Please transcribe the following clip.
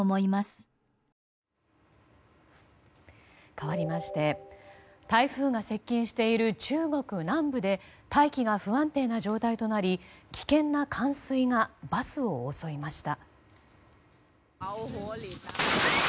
かわりまして台風が接近している中国南部で大気が不安定な状態となり危険な冠水がバスを襲いました。